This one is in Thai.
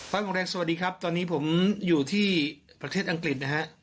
ของแรงสวัสดีครับตอนนี้ผมอยู่ที่ประเทศอังกฤษนะฮะ